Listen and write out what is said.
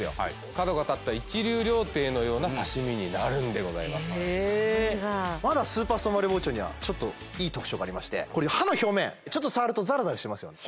角が立った一流料亭のような刺身になるんでございますへえまだスーパ−ストーンバリア包丁にはちょっといい特徴がありまして刃の表面ちょっと触るとザラザラしてますよね